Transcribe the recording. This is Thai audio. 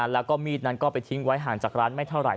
แล้วก็มีดนั้นก็ไปทิ้งไว้ห่างจากร้านไม่เท่าไห